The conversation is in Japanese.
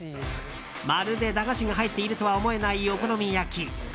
まるで駄菓子が入っているとは思えない、お好み焼き。